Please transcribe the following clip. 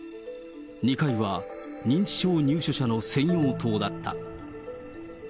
２階は認知症入所者の専用棟だった。